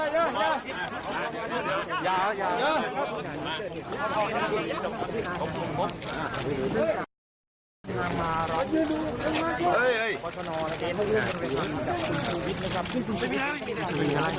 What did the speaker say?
น้อยน้อยน้อยน้อยท่านชุบหลุมผู้ชาย